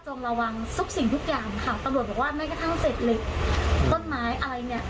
ระวังทุกสิ่งทุกอย่างค่ะตำรวจบอกว่าแม้กระทั่งเศษเหล็กต้นไม้อะไรเนี่ย